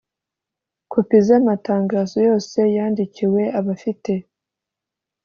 kopi z amatangazo yose yandikiwe abafite